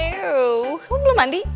eww kamu belum mandi